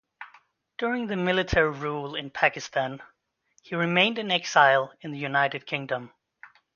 During the military rule in Pakistan he remained in exile in the United Kingdom.